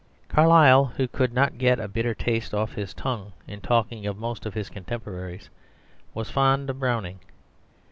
Carlyle, who could not get a bitter taste off his tongue in talking of most of his contemporaries, was fond of Browning.